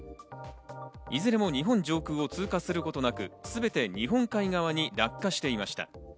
いずれも日本上空を通過することなく、全て日本海側に落下していました。